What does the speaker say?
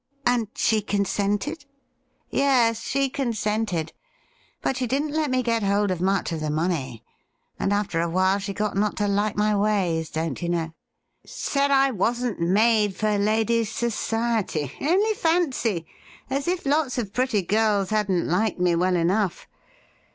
' And she consented .?'' Yes, she consented ; but she didn't let me get hold of much of the money, and after a while she got not to like my ways, don't you know. Said I wasn't made for ladies' society — only fancy ! As if lots of pretty girls hadn't liked me well enough.